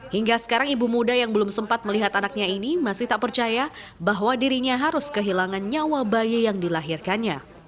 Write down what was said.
hingga sekarang ibu muda yang belum sempat melihat anaknya ini masih tak percaya bahwa dirinya harus kehilangan nyawa bayi yang dilahirkannya